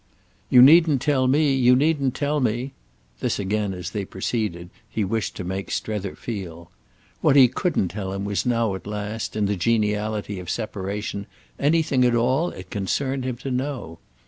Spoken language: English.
"You needn't tell me, you needn't tell me!"—this again as they proceeded, he wished to make Strether feel. What he needn't tell him was now at last, in the geniality of separation, anything at all it concerned him to know.